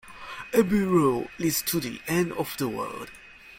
Every road leads to the end of the world.